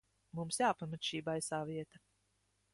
Mums jāpamet šī baisā vieta.